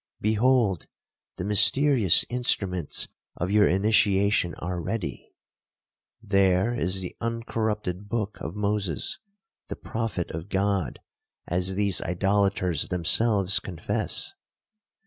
Behold, the mysterious instruments of your initiation are ready. There is the uncorrupted book of Moses, the prophet of God, as these idolaters themselves confess.